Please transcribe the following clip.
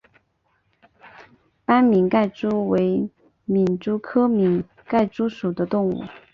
斑皿盖蛛为皿蛛科皿盖蛛属的动物。